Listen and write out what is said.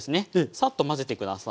サッと混ぜて下さい。